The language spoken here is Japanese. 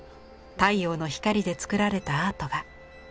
太陽の光で作られたアートが。